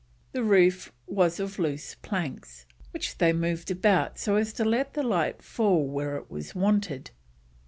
The roof was of loose planks, which they moved about so as to let the light fall where it was wanted.